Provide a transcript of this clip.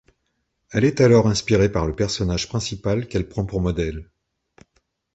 Elle est alors inspirée par le personnage principal qu'elle prend pour modèle.